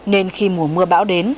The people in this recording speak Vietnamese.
nên khi mùa mưa bão đến